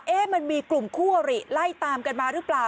มันมีกลุ่มคู่อริไล่ตามกันมาหรือเปล่า